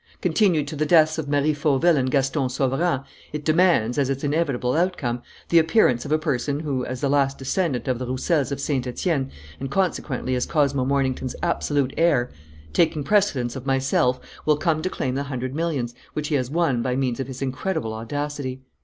Continued to the deaths of Marie Fauville and Gaston Sauverand, it demands, as its inevitable outcome, the appearance of a person who, as the last descendant of the Roussels of Saint Etienne and consequently as Cosmo Mornington's absolute heir, taking precedence of myself, will come to claim the hundred millions which he has won by means of his incredible audacity."